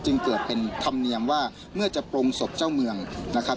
จึงเกิดเป็นธรรมเนียมว่าเมื่อจะโปรงศพเจ้าเมืองนะครับ